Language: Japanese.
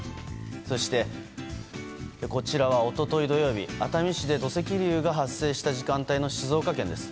そして、こちらは一昨日土曜日熱海市で土石流が発生した時間の静岡県です。